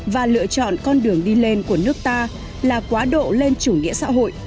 và lựa chọn con đường đi lên của nước ta là quá độ lên chủ nghĩa xã hội